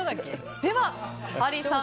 ではハリーさん